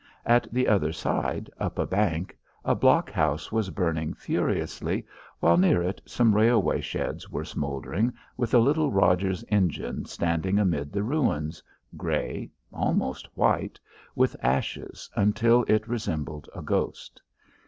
At the other side, up a bank, a blockhouse was burning furiously; while near it some railway sheds were smouldering, with a little Roger's engine standing amid the ruins, grey, almost white, with ashes until it resembled a ghost.